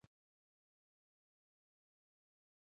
ټول ځوانان وو، په خندا او شوخۍ مو ډوډۍ وخوړله.